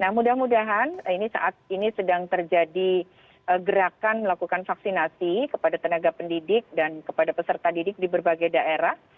nah mudah mudahan ini saat ini sedang terjadi gerakan melakukan vaksinasi kepada tenaga pendidik dan kepada peserta didik di berbagai daerah